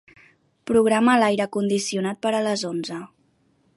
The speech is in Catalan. Programa l'aire condicionat per a les onze.